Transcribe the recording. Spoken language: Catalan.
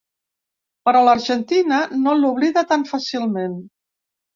Però l’Argentina no l’oblida tan fàcilment.